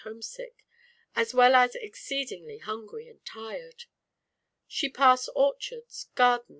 home sick, as well as exceedingl and tired. She passed orch^r^f . garden?